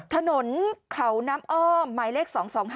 ถนนเขาน้ำอ้อมหมายเลข๒๒๕๖